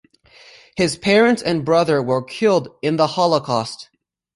His parents and brother were killed in the Holocaust.